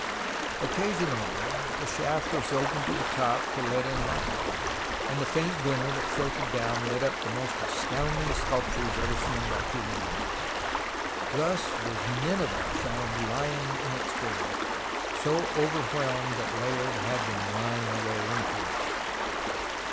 Occasionally a shaft was opened to the top to let in light, and the faint glimmer that filtered down lit up the most astound ing sculptures ever seen by human eyes. Thus was Nineveh found lying in its grave, so overwhelmed that Layard had to mine a way into it.